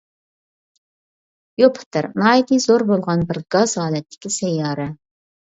يۇپىتېر ناھايىتى زور بولغان بىر گاز ھالەتتىكى سەييارە.